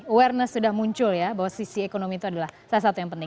awareness sudah muncul ya bahwa sisi ekonomi itu adalah salah satu yang penting